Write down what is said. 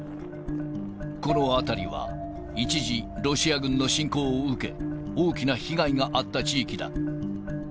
この辺りは、一時、ロシア軍の侵攻を受け、大きな被害があった地域だ。